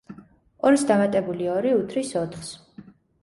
ორს დამატებული ორი უდრის ოთხს.